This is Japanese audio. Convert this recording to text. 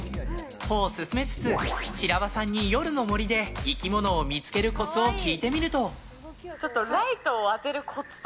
歩を進めつつ白輪さんに夜の森で生き物を見つけるコツを聞いてみると。